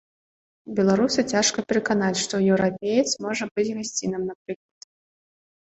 Беларуса цяжка пераканаць, што еўрапеец можа быць гасцінным, напрыклад.